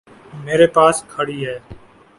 میرے پاس کھڑی ہے۔